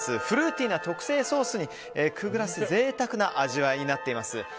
フルーティーな特製ソースにくぐらせ贅沢な味わいになっています。